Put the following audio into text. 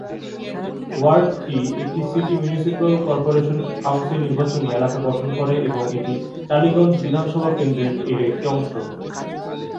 ওয়ার্ডটি একটি city municipal corporation council নির্বাচনী এলাকা গঠন করে এবং এটি টালিগঞ্জ বিধানসভা কেন্দ্রর এর একটি অংশ।